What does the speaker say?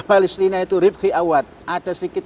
palestina itu rifki awad ada sedikit